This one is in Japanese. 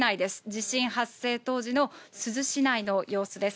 地震発生当時の珠洲市内の様子です。